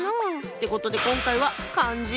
ってことで今回は「漢字」。